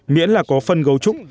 miễn là có phân gấu trúc